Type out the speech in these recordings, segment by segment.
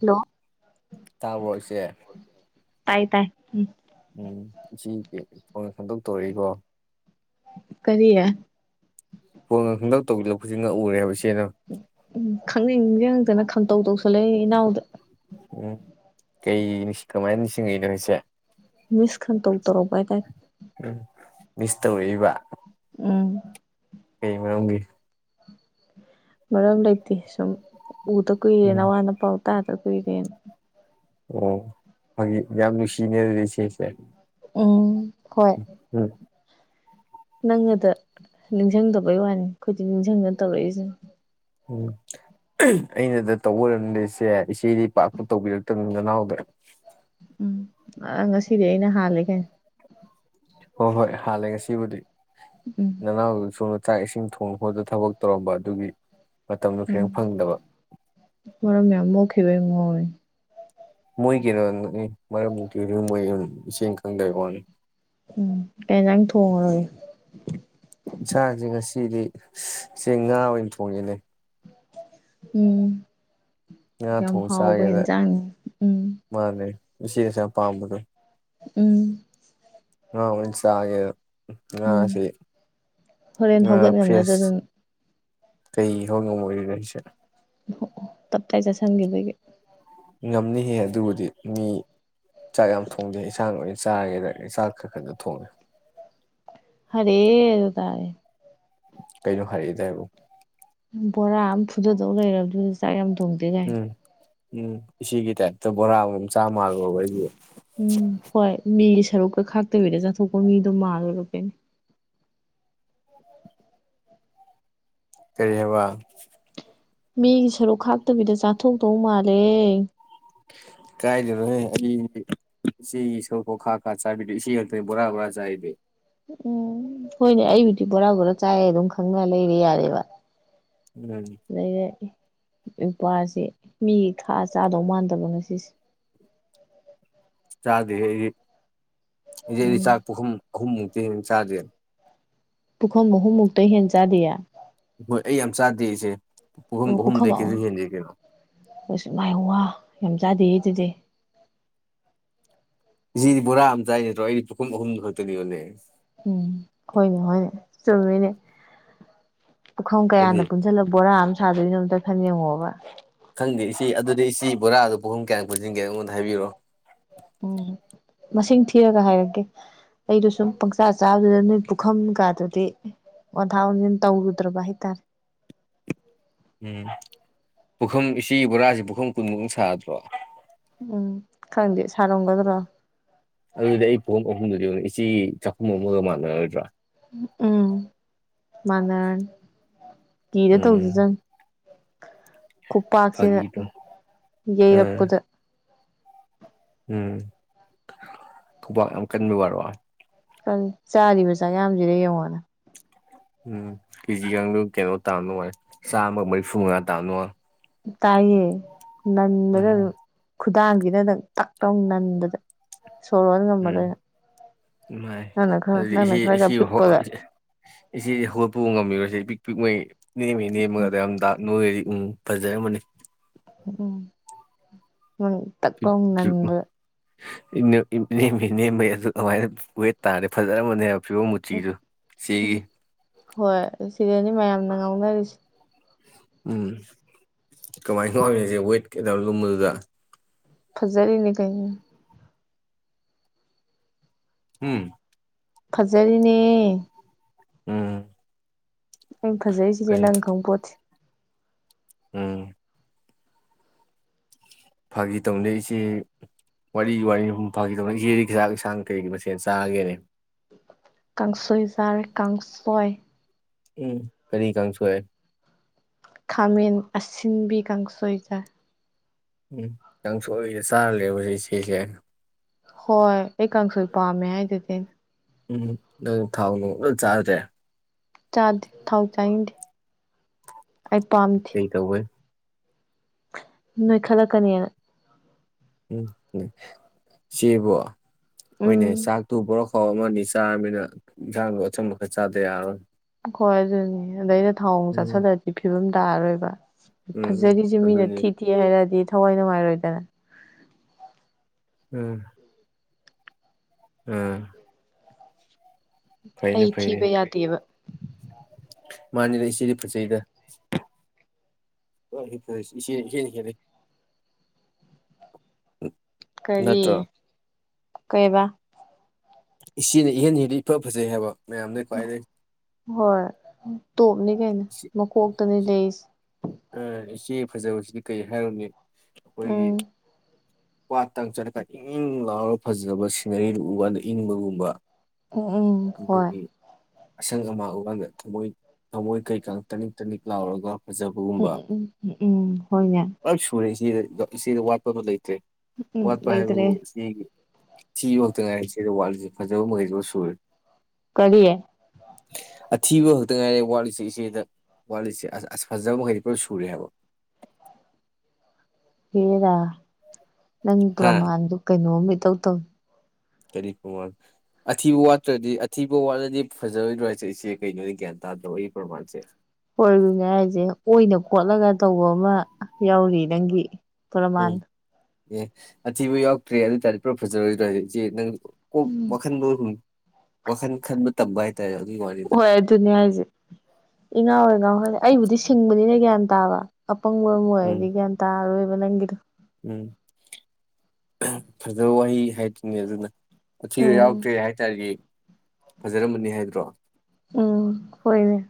Hello ꯇꯥꯕ꯭ꯔꯣ ꯏꯆꯦ ꯇꯥꯏ ꯇꯥꯏ ꯎꯝ ꯎꯝ ꯏꯆꯦ ꯐꯣꯟ ꯄꯪꯇꯧ ꯇꯧꯔꯛꯏꯀꯣ ꯀꯔꯤ ꯐꯣꯟ ꯄꯨꯡꯇꯧ ꯍꯧꯖꯤꯛ ꯉꯛ ꯎꯔꯦꯕꯁꯤ ꯎꯝ ꯈꯪꯅꯤꯡ ꯅꯤꯡꯖꯪ ꯉꯛꯇꯅ ꯈꯪ ꯇꯧ ꯇꯧꯁꯜꯂꯛꯏꯅꯤ ꯏꯅꯥꯎꯗ ꯎꯝ ꯀꯩ ꯀꯃꯥꯏꯅ ꯅꯤꯡꯁꯤꯡꯉꯤ ꯅꯣ ꯍꯥꯏꯁꯦ ꯃꯤꯁ ꯈꯟꯇꯧ ꯇꯧꯔꯛꯄ ꯍꯥꯏ ꯇꯥꯏ ꯎꯝ ꯃꯤꯁ ꯇꯧꯔꯛꯏꯕ ꯎꯝ ꯀꯩ ꯃꯔꯝꯒꯤ ꯃꯔꯝ ꯂꯩꯇꯦ ꯁꯨꯝ ꯎꯗ ꯀꯨꯏꯔꯦ ꯎꯝ ꯅꯋꯥ ꯅꯄꯥꯎ ꯇꯥꯗ ꯀꯨꯏꯔꯦꯅ ꯑꯣ ꯌꯥꯝ ꯅꯨꯡꯁꯤꯅꯔꯤꯁꯦ ꯎꯝ ꯎꯝ ꯅꯪ ꯑꯗ ꯅꯤꯡꯁꯤꯡꯗꯕꯩ ꯋꯥꯅꯤ ꯑꯩꯈꯣꯏꯗꯤ ꯅꯤꯡꯁꯤꯡꯗꯅ ꯇꯧꯔꯛꯏꯁꯤ ꯎꯝ ꯑꯩꯅꯗ ꯇꯧꯕ ꯑꯣꯏꯔꯝꯗꯦꯁꯦ ꯏꯆꯦꯗꯤ ꯄꯥꯛꯄꯨ ꯇꯧꯕꯤꯔꯛꯇꯕꯅꯤ ꯅꯅꯥꯎꯗ ꯎꯝ ꯉꯁꯤꯗꯤ ꯑꯩꯅ ꯍꯥꯜꯂꯦ ꯀꯩ ꯍꯣꯏ ꯍꯣꯏ ꯍꯥꯜꯂꯦ ꯉꯁꯤꯕꯨꯗꯤ ꯎꯝ ꯅ ꯁꯨ ꯆꯥꯛ ꯏꯁꯤꯡ ꯊꯣꯡ ꯈꯣꯗ ꯊꯕꯛ ꯇꯧꯔꯝꯕ ꯑꯗꯨꯒꯤ ꯃꯇꯝꯗꯣ ꯎꯝ ꯈꯤꯇꯪ ꯐꯪꯗꯕ ꯃꯔꯔꯃꯦꯃ ꯇꯈꯩꯩ ꯃꯨꯡꯑꯣꯣꯏ ꯃꯣꯏꯒꯤꯩꯅꯣ ꯅ ꯃꯔꯝꯛꯇ ꯃꯣꯏ ꯑꯗꯨ ꯏꯦꯡ ꯈꯪꯗꯩ ꯋꯥꯅꯤ ꯎꯝ ꯀꯩ ꯅꯪ ꯊꯣꯡꯉꯔꯣꯏꯦ ꯏꯁꯟꯥꯁꯦ ꯉꯁꯤꯗꯤ ꯆꯦ ꯉꯥ ꯑꯣꯏꯅ ꯊꯣꯡꯉꯦꯅꯦ ꯎꯝ ꯉꯥ ꯌꯥꯝ ꯊꯣꯡ ꯍꯥꯎꯕ ꯆꯥꯒꯦꯗ ꯏꯟꯁꯥꯡꯅꯤ ꯎꯝ ꯁꯤꯦꯁ ꯌꯥꯝ ꯄꯥꯝꯕꯗꯣ ꯎꯝ ꯑ ꯍꯁ ꯍꯥꯏꯦ ꯎꯝ ꯍꯣꯔꯦꯟ ꯉꯥ ꯍꯧꯒꯠ ꯉꯝꯅꯗ ꯐ꯭ꯔꯦꯁ ꯑꯗꯨꯝ ꯀꯩ ꯍ ꯉ ꯃ ꯑꯣꯏꯔꯤꯔꯔꯤꯁꯦ ꯑꯣ ꯇꯞꯇꯥꯏ ꯆꯠꯁꯤꯟꯈꯤꯕꯒꯤ ꯉꯝꯅꯤꯍꯦ ꯑꯗꯨꯕꯨꯗꯤ ꯃꯤ ꯆꯥꯛ ꯌꯥꯝ ꯊꯣꯡꯗꯦ ꯏꯟꯁꯥꯡ ꯂꯣꯏ ꯆꯥꯔꯒꯦꯗ ꯆꯥꯛ ꯈꯔ ꯈꯛꯇ ꯊꯣꯡꯉꯦ ꯍꯔꯦ ꯇꯥꯔꯦ ꯀꯩꯩꯅ ꯐꯔꯗꯦꯕ ꯕꯣꯔꯥ ꯑꯃ ꯐꯨꯗꯗꯧ ꯂꯩꯔꯕꯗꯨ ꯆꯥꯛ ꯌꯥꯝ ꯊꯣꯡꯝꯇ ꯌꯥꯥꯏ ꯎꯝ ꯎꯝ ꯏꯒꯤ ꯇꯥꯏꯞꯇ ꯕꯣꯔꯥ ꯑꯃꯝ ꯆꯥ ꯃꯜꯂꯣꯕ ꯑꯩꯁ ꯎꯝ ꯍꯣꯏ ꯃꯤꯒꯤ ꯁꯔꯨꯛꯀ ꯈꯥꯛꯇꯕꯤꯗ ꯆꯠꯊꯣꯛꯄ ꯃꯤꯗꯣ ꯃꯥꯜꯂꯔꯄꯩꯅꯤ ꯀꯔꯤ ꯍꯥꯏꯦꯕ ꯃꯤꯒꯤ ꯁꯔꯨꯛ ꯈꯥꯛꯇꯕꯤꯗ ꯆꯥꯊꯣꯛꯇꯧ ꯃꯥꯜꯂꯦ ꯀꯥꯏꯗꯅꯣꯍ ꯑꯩ ꯏꯆꯦꯒꯤ ꯁꯣꯔꯄ ꯈꯥ ꯈꯥ ꯆꯥꯕꯤꯗ ꯏꯦ ꯈꯥꯛꯛꯇꯅꯤ ꯕꯣꯔꯥ ꯕꯣꯔꯥ ꯆꯥꯏꯗ ꯎꯝ ꯍꯣꯏꯅꯦ ꯑꯩꯕꯨꯗꯤ ꯕꯣꯔꯥ ꯕꯣꯔꯥ ꯆꯥꯏꯑ ꯑꯗꯨꯝ ꯈꯪꯅ ꯂꯩꯔꯦ ꯌꯥꯔꯦꯕ ꯎꯝ ꯂꯩꯅꯦ ꯅꯨꯄꯥꯁꯦ ꯃꯤ ꯈꯥ ꯆꯥꯗꯧ ꯃꯥꯟꯗꯕꯅ ꯁꯤꯁꯦ ꯆꯦꯗꯤ ꯏꯩꯗꯤ ꯎꯝ ꯆꯥꯛꯄꯈꯨꯝ ꯑꯍꯨꯝꯃꯨꯛꯛꯇ ꯆꯥꯗꯦ ꯄꯨꯨꯈꯝ ꯃꯍꯨꯝ ꯃꯨꯛꯇ ꯍꯦꯟꯆꯥꯗꯌꯥ ꯍꯣꯏ ꯑꯩ ꯌꯥꯝ ꯆꯥꯗꯦ ꯑꯩꯁꯦ ꯑꯣ ꯄꯨꯈ ꯃꯥꯏꯌ ꯌꯥꯝ ꯆꯥꯗꯦ ꯑꯗꯨꯗꯤ ꯁꯤꯗꯤ ꯕꯣꯔꯥ ꯑꯃ ꯆꯥꯏ ꯅꯠꯇ꯭ꯔꯣ ꯑꯩꯗꯤ ꯄꯨꯈꯨꯝ ꯑꯍꯨꯝ ꯈꯛꯇꯅꯤ ꯑꯣꯅꯦ ꯎꯝ ꯍꯣꯏꯅꯦ ꯍꯣꯏꯅꯦ ꯆꯃꯤꯅꯦ ꯄꯨꯈꯝ ꯀꯌꯥꯅ ꯍꯥꯏꯗꯤ ꯄꯨꯟꯁꯤꯜꯂ ꯕꯣꯔꯥ ꯁꯥꯗꯣꯏꯩꯅ ꯑꯝꯇ ꯈꯟ ꯌꯦꯡꯉꯣꯕ ꯈꯪꯗꯦ ꯏꯆꯦ ꯑꯗꯨꯗꯤ ꯏꯆꯦ ꯕꯣꯔꯥꯗꯣ ꯄꯍꯨꯝ ꯀꯌꯥ ꯄꯨꯟꯁꯤꯟꯒꯦ ꯑꯩꯉꯣꯟꯗ ꯍꯥꯏꯕꯤꯔꯛꯑꯣ ꯎꯝ ꯃꯁꯤꯡ ꯊꯤꯔꯒ ꯍꯥꯏꯔꯒꯦ ꯑꯩꯗꯣ ꯁꯨꯝ ꯄꯪꯆꯥ ꯆꯥꯕꯗꯨꯗ ꯅꯣꯏ ꯄꯨꯈꯝ ꯀꯗꯗꯤ ꯋꯥꯟꯊꯥ ꯋꯥꯟꯁꯤꯟ ꯇꯧꯔꯨꯗ꯭ꯔꯕ ꯍꯥꯏꯇꯥꯔꯦ ꯎꯝ ꯄꯨꯈꯝ ꯏꯆꯦ ꯕꯣꯔꯥꯁ ꯄꯨꯈꯝ ꯀꯨꯟꯃꯨꯛ ꯁꯥꯗ꯭ꯔꯣ ꯎꯝ ꯈꯪꯗꯦ ꯁꯥꯔꯝꯒꯗ꯭ꯔꯣ ꯏꯆꯦ ꯆꯥꯛꯈꯨꯝ ꯑꯃꯒ ꯃꯥꯟꯅꯔꯣꯏꯗ꯭ꯔꯥ ꯎꯝ ꯃꯅꯥꯅꯤ ꯀꯤꯗ ꯇꯧꯗꯨ ꯎꯝ ꯆꯪ ꯈꯨꯄꯥꯛꯁꯤꯅ ꯐꯥꯒꯤꯗꯣ ꯎꯝ ꯌꯩꯔꯛꯄꯗ ꯎꯝ ꯈꯨꯕꯛ ꯌꯥꯝ ꯀꯟꯕ ꯋꯥꯔꯣ꯫ ꯆꯥꯔꯤꯕ ꯆꯥꯛ ꯌꯥꯝꯁꯤꯔꯦ ꯌꯦꯡꯉꯣꯅ ꯎꯝ ꯀꯦꯖꯤꯒꯗꯨ ꯀꯩꯅꯣ ꯇꯥꯅꯣꯣꯏ ꯆꯥꯝꯃꯒ ꯃꯔꯤꯐꯨ ꯃꯉꯥ ꯇꯥꯅꯣ ꯇꯥꯏꯌꯦ ꯅꯟꯃꯤꯗ ꯑꯗꯨ ꯎꯝ ꯈꯨꯗꯥꯡꯁꯤꯅꯅꯪ ꯇꯥꯛ ꯂꯧꯅ ꯅꯟꯕꯗ ꯁꯣꯔ ꯍꯣꯟ ꯎꯝ ꯉꯝꯃꯔꯣꯏ ꯏꯃꯥꯏ ꯅꯪꯅ ꯈꯔ ꯑꯗꯨꯗꯤ ꯅꯪꯅ ꯏꯆꯦ ꯈꯔꯒ ꯄꯤꯛꯄꯒ ꯏꯆꯦ ꯍꯧꯒꯠꯄ ꯉꯝꯃꯤꯔꯁꯦ ꯄꯣꯏ ꯅꯃꯤ ꯅꯃꯤꯒꯗ ꯑꯝꯗ ꯅꯣꯏꯔꯤ ꯎꯝ ꯐꯖꯔ ꯑꯃꯅꯤꯅꯤ ꯎꯝ ꯎꯝ ꯇꯛ ꯂꯧ ꯅꯟꯕꯗ ꯅꯦꯝꯃꯤ ꯅꯦꯝꯕꯩ ꯑꯗꯨ ꯑꯗꯨꯃꯥꯏꯅ ꯋꯦꯠ ꯇꯥꯔꯦ ꯐꯖꯔꯃꯅꯦꯕ ꯐꯤꯕꯝ ꯃꯨꯇꯤꯗꯣ ꯏꯆꯦꯒꯤ ꯍꯣꯏ ꯁꯤꯗꯅꯤ ꯃꯌꯥꯝꯅ ꯉꯥꯡꯅꯔꯤꯁꯤ ꯎꯝ ꯀꯃꯥꯏꯅ ꯋꯥꯠꯂꯤꯁꯦ ꯋꯦꯠ ꯀꯩꯗ ꯂꯨꯝꯕꯗꯨꯗ ꯐꯖꯜꯅꯤ ꯀꯩꯅꯣ ꯎꯝ ꯐꯖꯔꯤꯅꯦ ꯎꯝ ꯑꯩ ꯐꯖꯩ ꯁꯤꯗꯤ ꯀꯩ ꯅꯪ ꯈꯪꯕ ꯄꯣꯠꯁꯦ ꯎꯝ ꯐꯥꯒꯤ ꯇꯧꯅꯦ ꯏꯆꯦ ꯋꯥꯔꯤ ꯋꯥ ꯐꯥꯈꯤ ꯇꯧꯅ ꯏꯆꯦꯗꯤ ꯍꯖꯥꯛ ꯌꯦꯁꯥꯡ ꯀꯩꯒꯤ ꯃꯁꯦꯟ ꯆꯥꯉꯒꯦꯅꯦ ꯀꯥꯡꯪꯁꯣꯏꯖꯥꯔ ꯀꯥꯡ ꯀꯥꯡꯁꯣꯏ ꯎꯝ ꯀꯔꯤ ꯀꯥꯡꯁꯣꯏ ꯈꯥꯃꯦꯟ ꯑꯁꯤꯟꯕꯤ ꯀꯥꯡꯁꯣꯏꯖꯥ ꯎꯝ ꯀꯥꯡꯁꯣꯏꯗ ꯆꯥꯔꯂꯦꯕ ꯏꯆꯦꯁꯦ ꯍꯣꯏ ꯑꯩ ꯀꯥꯡꯁꯣꯏ ꯄꯥꯝꯃꯦ ꯍꯥꯏꯗꯨꯗꯤ ꯑꯦ ꯎꯝ ꯑꯗꯨ ꯊꯥꯎꯅꯨꯡ ꯀꯩꯝ ꯆꯥ꯭ꯔꯦ ꯆꯥꯗꯦ ꯊꯥꯎ ꯆꯥꯏꯅꯤꯡꯗꯦ ꯑꯩ ꯄꯝꯗꯦ ꯀꯩ ꯇꯧꯕꯩ ꯅꯣꯏ ꯈꯂꯛ ꯀꯅꯤꯅ ꯎꯝ ꯁꯤꯕꯨ ꯍꯣꯏꯅꯦ ꯎꯝ ꯆꯥꯛꯇꯨ ꯕꯣꯔꯣꯛ ꯃꯣꯔꯣꯛ ꯑꯃ ꯑꯅꯤ ꯆꯥꯔꯃꯤꯅ ꯏꯟꯁꯥꯡꯗꯣ ꯑꯊꯨꯝꯕ ꯈꯔ ꯆꯥꯗ ꯌꯥꯔꯣꯏ ꯍꯣꯏ ꯑꯗꯨꯅꯦ ꯑꯗ ꯑꯩꯅ ꯊꯥꯎ ꯎꯝ ꯆꯥꯁꯤꯜꯂꯛ ꯑꯥꯗꯤ ꯐꯤꯕꯝ ꯇꯥꯔꯣꯏꯕ ꯎꯝ ꯐꯖꯔꯤꯁꯦ ꯃꯤꯅ ꯑꯗꯨꯅꯤ ꯊꯤ ꯊꯤ ꯍꯥꯏꯔꯗꯤ ꯊꯋꯥꯏ ꯅꯨꯡꯉꯥꯏꯔꯣꯏꯗꯅ ꯎꯝ ꯎꯝ ꯐꯩꯅꯦ ꯑꯩ ꯐꯩꯅꯦ ꯊꯤꯕ ꯌꯥꯗꯦꯕ ꯃꯥꯅꯤꯗ ꯏꯆꯦꯗꯤ ꯐꯖꯩꯗ ꯍꯣꯏ ꯏꯆꯦꯅꯥ ꯍꯦꯜꯂꯤ ꯀꯔꯤ ꯅꯠꯇ꯭ꯔꯣ ꯀꯩꯕꯥ ꯏꯆꯦꯅ ꯏꯍꯦꯟ ꯍꯦꯜꯂꯤ ꯏꯐ ꯐꯖꯩ ꯍꯥꯏꯕ ꯃꯌꯥꯝꯗꯩ ꯈ꯭ꯋꯥꯏꯗꯩ ꯍꯣꯏ ꯇꯣꯞꯅꯤ ꯀꯩꯅꯣ ꯃꯀꯣꯛꯇꯅꯤ ꯂꯩꯁꯦ ꯑ ꯏꯆꯦ ꯐꯖꯕꯁꯤꯗꯤ ꯀꯩ ꯍꯥꯏꯔꯨꯅꯤ ꯑꯩꯈꯣꯏꯒꯤ ꯎꯝ ꯄꯥꯠꯇꯪ ꯆꯠꯂꯀꯥꯟ ꯏꯪ ꯏꯪ ꯂꯥꯎꯔꯒ ꯐꯖꯕ ꯁꯤꯅꯔꯤꯗꯨ ꯎꯕꯀꯥꯟꯗꯥ ꯏꯪꯕꯒꯨꯝꯕ ꯍꯣꯏ ꯑꯗꯒꯤ ꯑꯁꯪ ꯑꯃ ꯑꯀꯥꯟꯗ ꯊꯃꯣꯏ ꯊꯃꯣꯏ ꯀꯩꯀꯥꯡ ꯇꯅꯤꯛ ꯇꯅꯤꯛ ꯂꯥꯎꯔꯒ ꯐꯖ ꯎ ꯎ ꯎꯝ ꯎ ꯎꯝ ꯍꯣꯏꯅꯦ ꯕꯥ ꯏꯁꯤꯡꯅꯥ ꯋꯥꯠꯄꯕꯨ ꯂꯩ ꯆꯦꯛ ꯎꯝ ꯋꯥꯠꯄ ꯍꯥꯏꯕꯕꯨ ꯂꯩꯇ꯭ꯔꯦ ꯁꯤꯒꯤ ꯁꯤ ꯉꯛꯇ ꯉꯥꯏ ꯁꯤꯗ ꯋꯥꯠꯂꯤꯁꯤ ꯐꯖꯕ ꯃꯈꯩꯗꯨ ꯁꯨꯔꯦ ꯀꯔꯤ ꯑꯊꯤꯕ ꯈꯛꯇ ꯉꯥꯏꯔꯦ ꯋꯥꯠꯂꯤꯁꯦ ꯏꯆꯦꯗ ꯋꯥꯠꯂꯤꯁꯦ ꯑꯥ ꯑꯥ ꯐꯖꯕ ꯃꯈꯩꯗꯤ ꯄꯨꯔꯞ ꯁꯨꯔꯦ ꯍꯥꯏꯕ ꯍꯦꯔꯥ ꯅꯪ ꯍꯥ ꯄ꯭ꯔꯃꯥꯟꯗꯨ ꯀꯩꯅꯣꯝꯅꯤ ꯇꯧ ꯇꯧ ꯀꯔꯤ ꯄ꯭ꯔꯃꯥꯟ ꯑꯊꯤꯕ ꯋꯥꯠꯇ꯭ꯔꯗꯤ ꯑꯊꯤꯕ ꯋꯥꯠꯂꯗꯤ ꯐꯖꯔꯣꯏꯗ꯭ꯔꯣ ꯍꯥꯏꯁꯦ ꯏꯆꯦ ꯀꯩꯅꯣꯗ ꯒ꯭ꯌꯥꯟ ꯇꯥꯗꯕꯩ ꯄ꯭ꯔꯃꯥꯟꯁꯦ ꯍꯣꯏꯅꯦ ꯍꯥꯏꯁꯦ ꯑꯣꯏꯅ ꯈꯣꯠꯂꯒ ꯇꯧꯕ ꯑꯃ ꯌꯥꯎꯔꯤ ꯅꯪꯒꯤ ꯄ꯭ꯔꯃꯥꯟ ꯎꯝ ꯑꯦ ꯑꯊꯤꯕ ꯌꯥꯎꯛꯇ꯭ꯔꯦ ꯑꯗꯨ ꯇꯥꯔꯦ ꯄꯨꯔꯞ ꯐꯖꯔꯣꯏꯗꯔꯣ ꯍꯥꯏꯁꯦ ꯏꯆꯦ ꯅꯪ ꯀꯣ ꯎꯝ ꯋꯥꯈꯟꯗ ꯍꯨꯟ ꯋꯥꯈꯟ ꯈꯟꯕ ꯇꯝꯕ ꯍꯥꯏꯇꯥꯔꯦ ꯑꯗꯨꯒꯤ ꯋꯥꯅꯤꯗ ꯍꯣꯏ ꯑꯗꯨꯅꯦ ꯍꯥꯏꯁꯦ ꯏꯉꯥꯎ ꯍꯦꯛ ꯉꯥꯎꯋꯦ ꯍꯥꯏꯕ ꯑꯩꯕꯨꯗꯤ ꯁꯤꯡꯕꯅꯤꯅ ꯒ꯭ꯌꯥꯟ ꯇꯥꯕ ꯄꯪꯕ ꯎꯝ ꯑꯣꯏꯔꯗꯤ ꯒ꯭ꯌꯥꯟ ꯇꯔꯔꯣꯏ [inaudible] ꯎꯝ ꯐꯖꯕ ꯋꯥꯍꯩꯅꯤ ꯍꯥꯏꯗ꯭ꯣꯏꯅꯦ ꯑꯗꯨꯅ ꯊꯤꯕ ꯎꯝ ꯌꯥꯎꯗ꯭ꯔꯦ ꯍꯥꯏꯇꯥꯔꯗꯤ ꯐꯖꯔꯝꯕꯅꯤ ꯍꯥꯏꯕ꯭ꯔꯣ ꯎꯝ ꯍꯣꯏꯅꯦ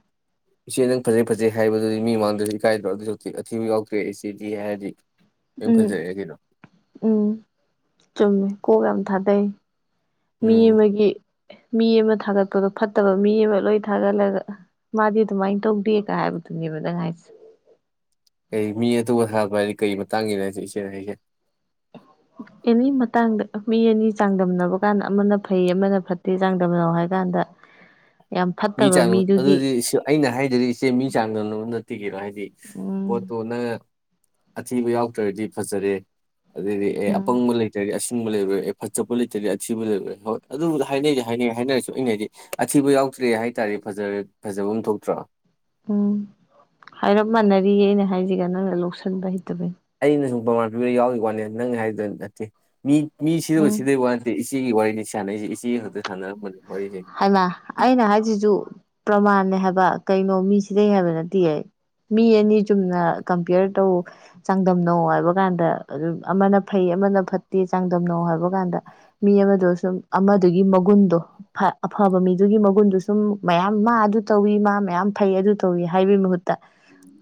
ꯏꯆꯦ ꯅꯪ ꯐꯖꯩ ꯐꯖꯩ ꯍꯥꯏꯕꯗꯨꯗꯤ ꯃꯤ ꯃꯥꯡꯗꯁꯨ ꯏꯀꯥꯏꯗ꯭ꯔꯣ ꯑꯗꯨꯏ ꯁꯔꯨꯛꯄꯨꯗꯤ ꯑꯊꯤꯕ ꯌꯥꯎꯗ꯭ꯔꯦ ꯏꯆꯦꯗꯤ ꯍꯥꯏꯔꯗꯤ ꯂꯣꯏ ꯎꯝ ꯐꯖꯔꯦ ꯀꯩꯅꯣ ꯎꯝ ꯆꯨꯝꯃꯤ ꯀꯣꯛ ꯌꯥꯝ ꯊꯥꯗꯩꯌꯦ ꯃꯤ ꯎꯝ ꯑꯃꯒꯤ ꯃꯤ ꯑꯃ ꯊꯥꯒꯠꯄꯗꯣ ꯐꯠꯇꯕ ꯃꯤ ꯑꯃ ꯂꯣꯏ ꯊꯥꯒꯠꯂꯒ ꯃꯥꯗꯤ ꯑꯗꯨꯃꯥꯏꯅ ꯇꯧꯗꯦꯒ ꯍꯥꯏꯕꯗꯨꯅꯦꯕ ꯅꯪ ꯍꯥꯏꯁꯦ ꯀꯔꯤ ꯃꯤ ꯑꯇꯣꯞꯄ ꯊꯥꯒꯠꯄ ꯍꯥꯏꯗꯤ ꯀꯔꯤ ꯃꯇꯥꯡꯒꯤꯅ ꯍꯥꯏꯁꯦ ꯏꯆꯦꯅ ꯍꯥꯏꯁꯦ ꯀꯩꯒꯨꯝ ꯀꯥꯟꯗ ꯃꯤ ꯑꯅꯤ ꯆꯥꯡꯗꯝꯅꯕ ꯀꯥꯟꯗ ꯑꯃꯅ ꯐꯩ ꯑꯃꯅ ꯐꯠꯇꯦ ꯆꯥꯡꯗꯝꯅꯕ ꯍꯥꯏ ꯀꯥꯟꯗ ꯌꯥꯝ ꯃꯤ ꯐꯠꯇꯕ ꯆꯥꯡ ꯃꯤꯗꯨꯒꯤ ꯑꯗꯨꯗꯤ ꯑꯩꯅ ꯍꯥꯏꯗꯗꯤ ꯏꯆꯦ ꯃꯤ ꯆꯥꯡꯗꯝꯅꯕ ꯅꯠꯇꯦ ꯀꯩꯅꯣ ꯍꯥꯏꯗꯤ ꯎꯝ ꯄꯣꯠꯇꯣ ꯅꯪ ꯑꯊꯤꯕ ꯌꯥꯎꯗ꯭ꯔꯗꯤ ꯐꯖꯔꯦ ꯑꯗꯨꯗꯤ ꯑꯦ ꯎꯝ ꯑꯄꯪꯕ ꯂꯩꯇ꯭ꯔꯗꯤ ꯑꯁ ꯎꯡꯕ ꯂꯩꯕ꯭ꯔ ꯑꯦ ꯐꯠ ꯆꯠꯄ ꯂꯩꯇ꯭ꯔꯗꯤ ꯑꯊꯤꯕ ꯂꯩꯕ꯭ꯔ ꯍꯣꯏ ꯑꯗꯨꯕꯨ ꯍꯥꯏꯅꯩꯗꯤ ꯍꯥꯏꯅꯩ ꯍꯥꯏꯅꯔꯁꯨ ꯑꯩꯅ ꯍꯥꯏꯗꯤ ꯑꯊꯤꯕ ꯌꯥꯎ ꯇ꯭ꯔꯦ ꯍꯥꯏ ꯇꯥꯔꯗꯤ ꯐꯖꯔ ꯐꯖꯕꯝ ꯊꯣꯛꯇ꯭ꯔꯣ꯫ ꯎꯝ ꯍꯥꯏꯔꯞ ꯃꯥꯟꯅꯔꯤꯌꯦ ꯑꯩꯅ ꯍꯥꯏꯁꯤꯒ ꯅꯪꯅ ꯂꯧꯁꯟꯕ ꯍꯩꯇꯕꯩ꯫ ꯑꯩꯅ ꯁꯨꯝ ꯄ꯭ꯔꯃꯥꯟ ꯄꯤꯕ ꯌꯥꯎꯒꯤ ꯋꯥꯅꯦ ꯅꯪ ꯍꯥꯏꯗꯨ ꯅꯠꯇꯦ ꯃꯤ ꯃꯤ ꯁꯤꯗ ꯎꯝ ꯁꯤꯗꯕꯩ ꯋꯥ ꯅꯠꯇꯦ ꯆꯦꯒꯤ ꯋꯥꯔꯤꯅꯤ ꯁꯥꯟꯅꯔꯤꯁꯦ ꯏꯆꯦ ꯈꯛꯇ ꯁꯥꯟꯅꯔꯝꯕꯅꯦ ꯋꯥꯔꯤꯁꯦ ꯍꯥꯏꯃ ꯑꯩꯅ ꯍꯥꯏꯁꯤꯁꯨꯨ ꯄ꯭ꯔꯃꯥꯟꯅꯦ ꯍꯥꯏꯕ ꯀꯩꯅꯣ ꯃꯤ ꯁꯤꯗꯩꯌꯦ ꯍꯥꯏꯕ ꯅꯠꯇꯤꯌꯦ ꯃꯤ ꯑꯅꯤ ꯆꯨꯝꯅ ꯀꯝꯄꯤꯌꯔ ꯇꯧ ꯆꯥꯡꯗꯝꯅꯧ ꯍꯥꯏꯕ ꯀꯥꯟꯗ ꯑꯗꯨꯝ ꯑꯃꯅ ꯐꯩ ꯑꯃꯅ ꯐꯠꯇꯦ ꯆꯥꯡꯗꯝꯅꯧ ꯍꯥꯏꯕ ꯀꯥꯟꯗ ꯃꯤ ꯑꯃꯗꯣ ꯁꯨꯝ ꯑꯃꯗꯨꯒꯤ ꯃꯒꯨꯟꯗꯣ ꯐ ꯑꯐꯕ ꯃꯤꯗꯨꯒꯤ ꯃꯒꯨꯟꯗꯨ ꯁꯨꯝ ꯃꯌꯥꯝ ꯃꯥ ꯑꯗꯨ ꯇꯧꯋꯤ ꯃꯥ ꯃꯌꯥꯝ ꯐꯩ ꯑꯗꯨ ꯇꯧꯋꯤ ꯍꯥꯏꯕꯒꯤ ꯃꯍꯨꯠꯇ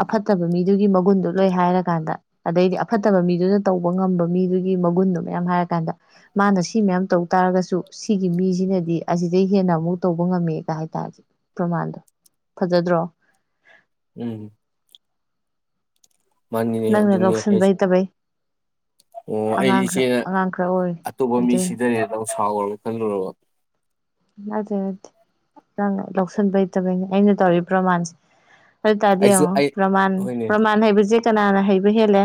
ꯑꯐꯠꯇꯕ ꯃꯤꯗꯨꯒꯤ ꯃꯒꯨꯟꯗꯨ ꯂꯣꯏ ꯍꯥꯏꯔꯀꯥꯟꯗ ꯑꯗꯩꯗꯤ ꯑꯐꯠꯇꯕ ꯃꯤꯗꯨꯅ ꯇꯧꯕ ꯉꯝꯕ ꯃꯤꯗꯨꯒꯤ ꯃꯒꯨꯟꯗꯣ ꯃꯌꯥꯝ ꯍꯥꯏꯔꯀꯥꯟꯗ ꯃꯥꯅ ꯁꯤ ꯃꯌꯥꯝ ꯇꯧ ꯇꯥꯔꯒꯁꯨ ꯁꯤꯒꯤ ꯃꯤꯁꯤꯅꯗꯤ ꯁꯤꯗꯩ ꯍꯦꯟꯅ ꯑꯃꯨꯛ ꯇꯧꯕ ꯉꯝꯃꯦꯒ ꯍꯥꯏꯇꯥꯔꯗꯤ ꯄ꯭ꯔꯃꯥꯟꯗꯣ ꯐꯖꯗ꯭ꯔꯣ꯫ ꯎꯝ ꯃꯥꯅꯤꯅꯦ ꯅꯪꯅ ꯑꯗꯨꯅꯦ ꯂꯧꯁꯤꯟꯕ ꯍꯥꯏꯁꯦ ꯍꯩꯇꯕꯩ ꯑꯣ ꯑꯩꯗꯤ ꯑꯉꯥꯡ ꯈꯔ ꯏꯆꯦꯅ ꯑꯉꯥꯡ ꯈꯔ ꯑꯣꯏꯔꯤ ꯑꯇꯣꯞꯄ ꯃꯤ ꯑꯗꯨꯏꯅꯤ ꯁꯤꯗꯔꯦꯕ ꯁꯥꯎꯔꯕꫭ ꯈꯜꯂꯨꯔꯕꫭ꯫ ꯑꯗꯨ ꯅꯠꯇꯦ ꯅꯪ ꯂꯧꯁꯤꯟꯕ ꯍꯩꯇꯕꯩꯅꯦ ꯑꯩꯅ ꯇꯧꯔꯤꯕ ꯄ꯭ꯔꯣꯃꯥꯟꯁꯦ꯫ ꯑꯗꯨ ꯇꯥꯔꯗꯤ ꯑꯩꯁꯨ ꯌꯦꯡꯉꯣ ꯑꯩ ꯍꯣꯏꯅꯦ ꯄ꯭ꯔꯃꯥꯟ-ꯄ꯭ꯔꯃꯥꯟ ꯍꯩꯕꯁꯦ ꯀꯅꯥꯅ ꯍꯩꯕ ꯍꯦꯜꯂꯦ꯫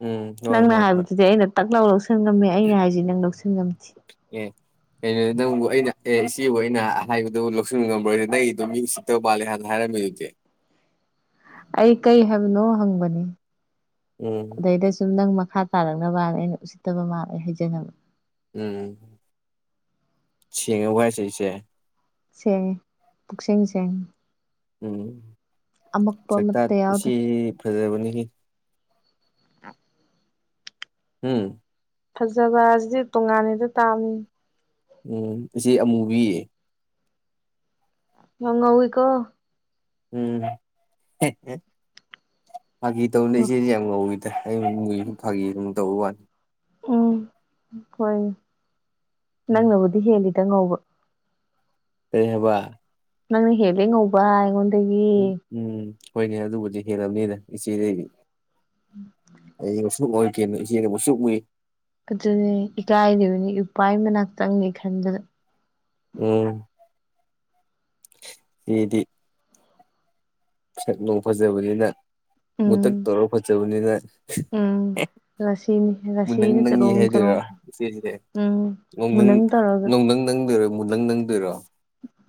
ꯎꯝ ꯍꯣꯏ ꯅꯪꯅ ꯍꯣꯏ ꯍꯣꯏ ꯍꯥꯏꯕꯁꯤꯗꯤ ꯑꯩꯅ ꯇꯛ ꯂꯥꯎꯔꯁ ꯂꯧꯁꯟ ꯉꯝꯃꯦ ꯑꯩꯅ ꯍꯥꯏꯁ ꯅꯪ ꯂꯧꯁꯟ ꯉꯝꯁꯤ꯫ ꯑꯦ ꯀꯩꯅꯣ ꯅꯪꯕꯨ ꯑꯩꯅ ꯑꯦ ꯏꯆꯦꯕꯨ ꯑꯩꯅ ꯍꯥꯏꯕꯗꯨ ꯂꯧꯁꯤꯟꯕ ꯉꯝꯕ꯭ꯔꫭ ꯅꯪꯒꯤꯗꫭ ꯃꯤ ꯎꯁꯤꯠꯇꯕ ꯃꯥꯜꯂꯦ ꯍꯥꯏꯅ ꯍꯥꯏꯔꯝꯃꯤꯗꯨꯗꯤ꯫ ꯑꯩ ꯀꯩ ꯍꯥꯏꯕꯅꯣ ꯍꯪꯕꯅꯤ꯫ ꯎꯝ ꯑꯗꯩꯗ ꯆꯨꯝ ꯅꯪꯃ ꯃꯈꯥ ꯇꯥꯔꯛꯅꯕꯥꯅ ꯑꯩꯅ ꯎꯁꯤꯠꯇꯕ ꯃꯥꯜꯂꯦ ꯍꯥꯏꯖꯅꯕ꯫ ꯎꯝ ꯁꯦꯡꯑꯕꫭ ꯍꯥꯏꯁꯦ ꯏꯆꯦ꯫ ꯁꯦꯡꯑꯦ ꯄꯨꯛꯁꯦꯡ ꯁꯦꯡꯑꯦ꯫ ꯎꯝ ꯁꯥꯛꯇꯥ ꯑꯃꯠꯇ ꯌꯥꯎꯗ ꯏꯆꯦ ꯐꯖꯕꯅꯤ꯫ ꯎꯝ ꯐꯖꯕ ꯑꯁꯤ ꯇꯣꯉꯥꯟꯅꯤꯗ ꯇꯥꯕꯅꯤ꯫ ꯎꯝ ꯏꯆꯦ ꯑꯃꯨꯕꯤ꯫ ꯌꯥꯝ ꯉꯧꯏꯀꫭ꯫ ꯎꯝ ꯐꯥꯒꯤ ꯇꯧꯅꯦ ꯏꯆꯦꯗꯤ ꯌꯥꯝ ꯉꯧꯋꯤ꯫ ꯑꯩ ꯃꯨꯏꯗꯤ ꯐꯥꯒꯤ ꯗꯨꯝ ꯇꯧ ꯋꯥ ꯎꯝ ꯈꫭꯏ ꯅꯪ ꯎꯝ ꯅꯕꯨꯗꯤ ꯍꯦꯜꯂꯤ꯫ ꯈꯤꯇꯪ ꯉꯧꯕ ꯀ ꯍꯥꯏꯕ ꯅꯪꯅꯦ ꯍꯦ ꯉꯕꯉꯣꯟ ꯎ ꯎꯝ ꯍꯣꯏꯅꯦ ꯑꯗꯨꯕꯨꯗꯤ ꯍꯦꯜꯂꯕꯅꯤꯅ ꯏꯆꯦꯗꯗꯤ ꯑꯩ ꯑꯣꯁꯨ ꯑꯣꯏ ꯀꯩꯅꯣ ꯏꯆꯦꯅ ꯑꯃꯨꯁꯨ ꯎꯨꯏ ꯑꯗꯨꯅꯦ ꯏꯀꯥꯏꯔꯤꯕꯅꯤ ꯏꯄꯥ ꯃꯅꯥꯛꯇꯪꯅꯤ ꯈꯟꯗꯅ ꯎꯝ ꯁꯤꯗꯤ ꯆꯠꯂ ꯐꯖꯦꯕꯅꯤꯅ ꯃꯨ ꯇ ꯎꯝ ꯇꯔꯣ ꯐ ꯆ ꯑꯅꯤꯉꯥꯏ ꯎꯝ ꯔꯥꯁꯤꯅꯤ ꯃꯨ ꯅꯪ ꯔꯥꯁꯤꯅ ꯅꯪꯉꯤ ꯆꯔꯣꯡ ꯍꯥꯏꯗꯣꯏꯔꯣ ꯆꯔꯣꯡ ꯏꯆꯦꯁꯦ ꯎꯝ ꯅ ꯅꯪ ꯃꯨꯅꯪ ꯇꯧꯔꯒ ꯅꯣꯡ ꯅꯪ ꯅꯪꯗꯣꯏꯔꯣ ꯃꯨ ꯅꯪ ꯅꯪꯗꯣꯏꯔꯣ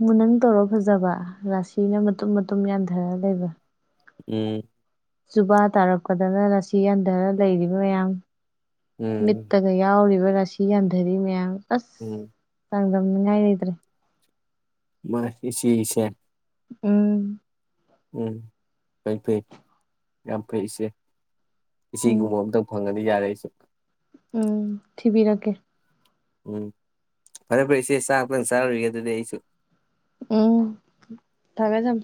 ꯃ ꯅꯪ ꯇꯧꯔꯣ ꯐꯖꯕ ꯔꯥꯁꯤꯅ ꯃꯇꯨꯝ ꯃꯇꯨꯝ ꯌꯥꯟꯊꯔ ꯂꯩꯕ ꯎꯝ ꯨꯕꯥ ꯇꯥꯔꯛꯄꯗꯅ ꯂꯁꯤ ꯍꯟꯊꯔ ꯂꯩꯔꯤꯕ ꯃꯌꯥꯝ ꯎꯝ ꯃꯠꯇꯒ ꯌꯥꯎ ꯔꯁꯤ ꯀꯗꯗꯤ ꯃꯌꯥꯝ ꯑꯁ ꯎꯝ ꯆꯥꯡꯗ ꯎ ꯅꯅꯦꯗ꯭ꯔꯦ ꯃꯥꯁꯤꯁꯦ ꯎꯝ ꯎꯝ ꯐꯩ ꯐꯩ ꯌꯥꯝ ꯐꯩꯁꯦ ꯎꯝ ꯏꯆꯒꯨꯝꯕ ꯑꯝꯇꯪ ꯐꯪꯒꯅꯤ ꯌꯥꯗꯏꯁꯨ ꯎꯝ ꯊꯤꯕꯤꯔꯀꯦ ꯎꯝ ꯐꯔꯦ ꯐꯔꯦ ꯏꯆꯦ ꯆꯥꯛ ꯉꯛꯇꯪ ꯆꯥꯔꯨꯔꯤꯒꯦ ꯑꯗꯨꯗꯤ ꯑꯩꯁꯨ ꯎꯝ ꯊꯃꯦꯦ ꯊꯝ